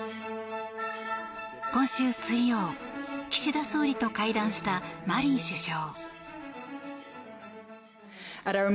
今週水曜、岸田総理と会談したマリン首相。